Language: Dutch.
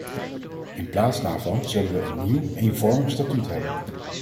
In plaats daarvan zullen we een nieuw, eenvormig statuut hebben.